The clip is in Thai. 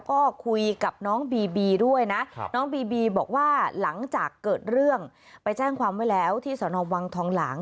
ก็คุยกับน้องบีบีด้วยนะน้องบีบีบอกว่าหลังจากเกิดเรื่องไปแจ้งความไว้แล้วที่สนวังทองหลาง